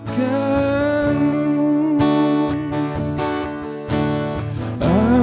kau jauh di mata